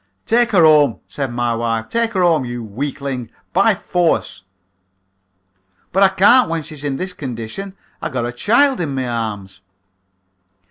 "'Take her home,' said my wife, 'take her home, you weakling, by force.' "'But I can't when she's in this condition. I got a child in my arms.'